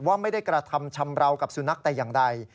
ว่าไม่ได้กระทำชำราวกับสุนัขแต่อย่างใด